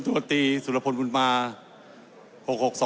ตัวตีศุรพลมูลมาร